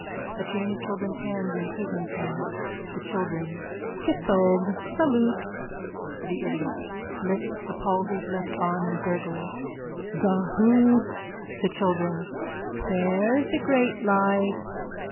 A chain of children 's hands imprisons him.)_ THE CHILDREN: Kithogue! Salute! THE IDIOT: (Lifts a palsied left arm and gurgles.) Grhahute! THE CHILDREN: Where's the great light?